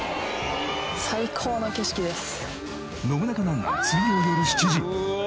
最高の景色です。